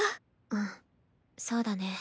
うんそうだね。